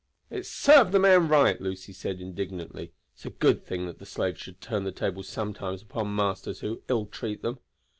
"It served the man right!" Lucy said indignantly. "It's a good thing that the slaves should turn the tables sometimes upon masters who ill treat them."